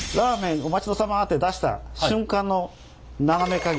お待ち遠さまって出した瞬間の斜め加減。